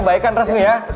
baikkan resmi ya